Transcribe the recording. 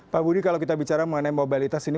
pak budi kalau kita bicara mengenai mobilitas ini